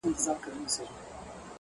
نه يې وليده كراره ورځ په ژوند كي!